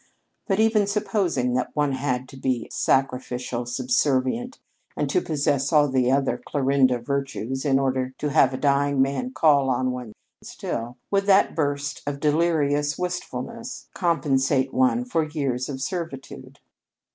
But even supposing that one had to be sacrificial, subservient, and to possess all the other Clarinda virtues in order to have a dying man call on one, still, would that burst of delirious wistfulness compensate one for years of servitude?"